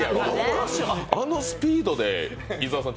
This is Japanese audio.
あのスピードで、伊沢さん